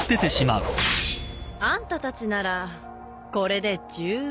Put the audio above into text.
あんたたちならこれで十分。